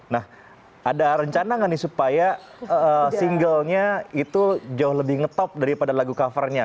nah ada rencana nggak nih supaya singlenya itu jauh lebih ngetop daripada lagu covernya